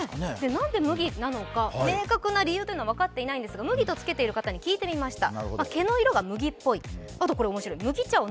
なんでむぎなのか、明確な理由は分かってないんですがむぎとつけている方に聞いてみました。